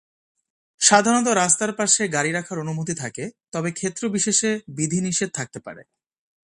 সাধারণত রাস্তার পাশে গাড়ি রাখার অনুমতি থাকে, তবে ক্ষেত্রবিশেষে বিধিনিষেধ থাকতে পারে।